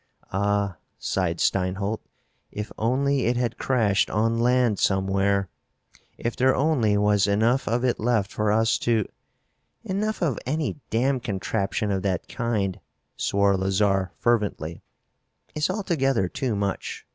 "Ah," sighed Steinholt, "if only it had crashed on land somewhere. If there only was enough of it left for us to " "Enough of any damn contraption of that kind," swore Lazarre fervently, "is altogether too much.